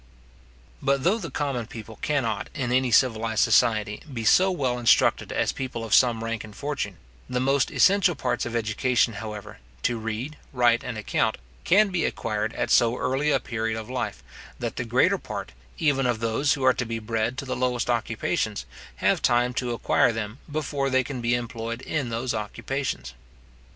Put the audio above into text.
But though the common people cannot, in any civilized society, be so well instructed as people of some rank and fortune; the most essential parts of education, however, to read, write, and account, can be acquired at so early a period of life, that the greater part, even of those who are to be bred to the lowest occupations, have time to acquire them before they can be employed in those occupations.